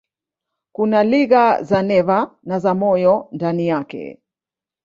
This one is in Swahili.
Kuna liga za neva na za moyo ndani yake.